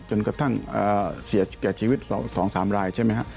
จนกระทั่งเสียชีวิต๒๓รายใช่ไหมฮะ